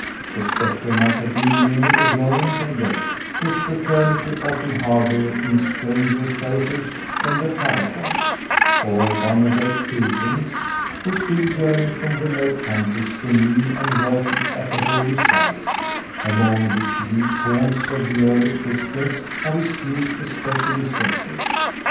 The spectre might have been merely a Roman beggar, whose fraternity often harbor in stranger shelters than the catacombs; or one of those pilgrims, who still journey from remote countries to kneel and worship at the holy sites, among which these haunts of the early Christians are esteemed especially sacred.